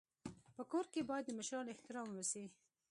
په کور کي باید د مشرانو احترام وسي.